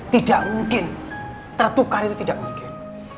tidak mungkin tertukar itu tidak mungkin